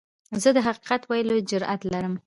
زه د حقیقت ویلو جرئت لرم.